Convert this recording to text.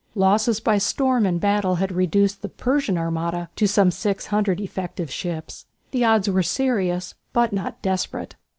Losses by storm and battle had reduced the Persian armada to some six hundred effective ships. The odds were serious, but not desperate.